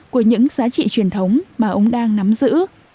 của những giá trị truyền thống mà ông đang nắm giữ